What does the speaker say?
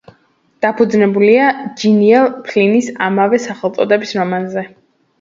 დაფუძნებულია ჯილიან ფლინის ამავე სახელწოდების რომანზე.